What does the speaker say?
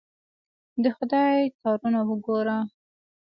د خدای کارونه وګوره!